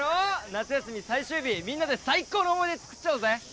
夏休み最終日みんなで最高の思い出作っちゃおうぜ！